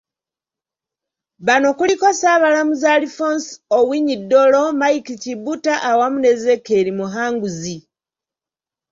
Bano kuliko; Ssaabalamuzi Alfonse Owiny Dollo, Mike Chibita awamu ne Ezekiel Muhanguzi.